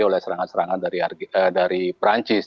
jadi oleh serangan serangan dari perancis